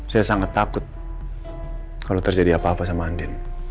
saya sangat takut kalau terjadi apa apa sama andin